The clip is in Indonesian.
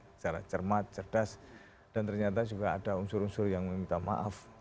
secara cermat cerdas dan ternyata juga ada unsur unsur yang meminta maaf